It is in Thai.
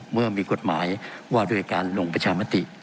เมื่อมีกฎหมายว่าด้วยการลงประชามติ